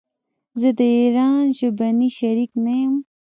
زه د ايران ژبني شريک نه يم.